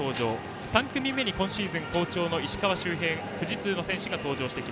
３組目に今シーズン好調の石川周平、富士通が登場。